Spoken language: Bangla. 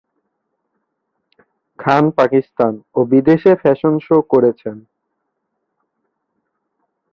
খান পাকিস্তান ও বিদেশে ফ্যাশন শো করেছেন।